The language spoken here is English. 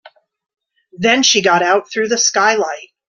Then she got out through the skylight.